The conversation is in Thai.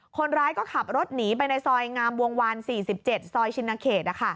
คนร้ายก็ขับรถหนีไปในซอยงามวงวาน๔๗ซอยชินเขต